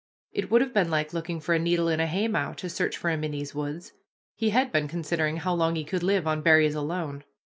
It would have been like looking for a needle in a haymow to search for him in these woods. He had been considering how long he could live on berries alone.